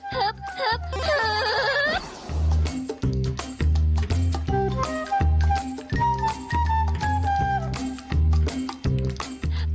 ฮึบฮึบฮึบ